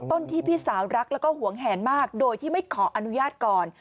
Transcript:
ต้นที่พี่สาวรักแล้วก็หวงแหนมากโดยที่ไม่ขออนุญาตก่อน